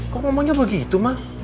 kok emangnya begitu mah